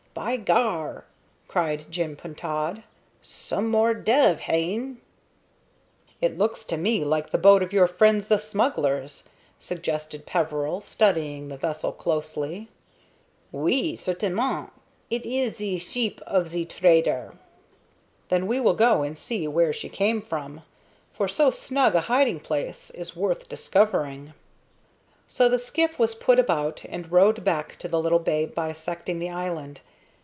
"By gar!" cried Joe Pintaud. "Some more dev, hein?" "It looks to me like the boat of your friends the smugglers," suggested Peveril, studying the vessel closely. "Oui, certainment! It ees ze sheep of ze tradair." "Then we will go and see where she came from, for so snug a hiding place is worth discovering." So the skiff was put about and rowed back to the little bay bisecting the island.